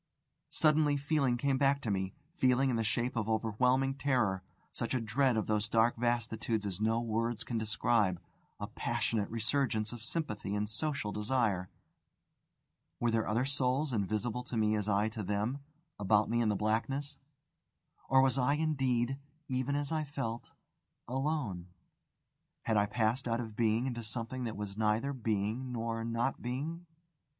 Suddenly feeling came back to me feeling in the shape of overwhelming terror; such a dread of those dark vastitudes as no words can describe, a passionate resurgence of sympathy and social desire. Were there other souls, invisible to me as I to them, about me in the blackness? or was I indeed, even as I felt, alone? Had I passed out of being into something that was neither being nor not being?